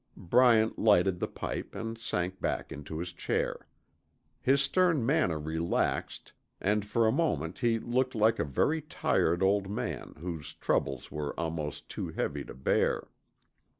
Bryant lighted the pipe and sank back to his chair. His stern manner relaxed, and for a moment he looked like a very tired old man whose troubles were almost too heavy to bear.